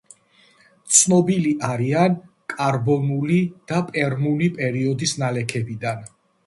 ცნობილი არიან კარბონული და პერმული პერიოდის ნალექებიდან.